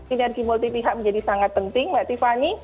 energi multi pihak menjadi sangat penting mbak tiffany